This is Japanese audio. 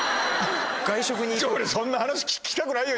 俺そんな話聞きたくないよ